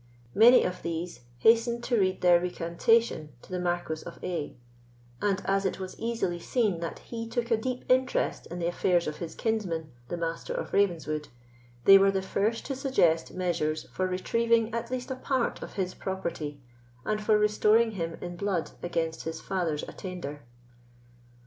Many of these hastened to read their recantation to the Marquis of A——; and, as it was easily seen that he took a deep interest in the affairs of his kinsman, the Master of Ravenswood, they were the first to suggest measures for retrieving at least a part of his property, and for restoring him in blood against his father's attainder.